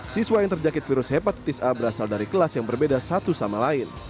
siswa yang terjangkit virus hepatitis a berasal dari kelas yang berbeda satu sama lain